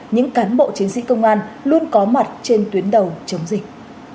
những cán bộ chiến sĩ công an luôn có mặt trên tuyến đầu chống dịch